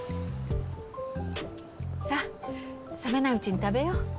さあ冷めないうちに食べよ。